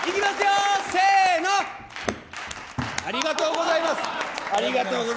せーの、ありがとうございます。